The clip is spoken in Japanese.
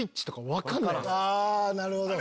あなるほど。